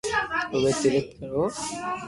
اووي تيرٿ ڪرو